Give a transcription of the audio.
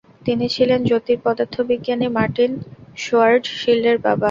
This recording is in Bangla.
তিনি ছিলেন জ্যোতিঃপদার্থবিজ্ঞানী মার্টিন শোয়ার্জশিল্ডের বাবা।